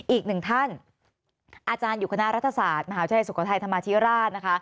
อีกหนึ่งท่านอาจารย์อยู่คณะรัฐศาสตร์มหาวิทยาลัยสุโขทัยธรรมาธิราชนะคะ